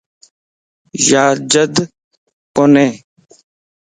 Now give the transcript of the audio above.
ياجڍ ڪوتي